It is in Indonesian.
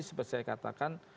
seperti saya katakan